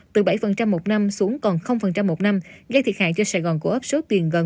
từ bảy một năm xuống còn một năm gây thiệt hại cho sài gòn cô ấp số tiền gần một trăm một mươi năm bảy tỷ đồng